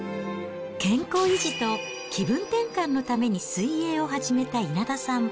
健康維持と気分転換のために水泳を始めた稲田さん。